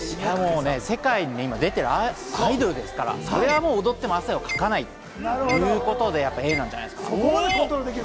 世界に今出ているアイドルですから、それはもう踊っても汗はかかないということでＡなんじゃないですか？